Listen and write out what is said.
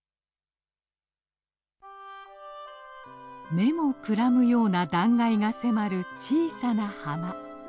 目もくらむような断崖が迫る小さな浜。